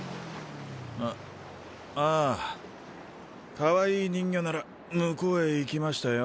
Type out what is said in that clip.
あっ？ああかわいい人魚なら向こうへ行きましたよ。